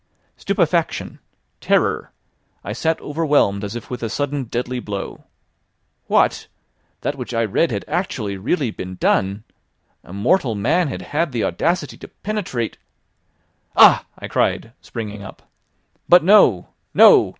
Stupefaction! terror! I sat overwhelmed as if with a sudden deadly blow. What! that which I read had actually, really been done! A mortal man had had the audacity to penetrate! ... "Ah!" I cried, springing up. "But no! no!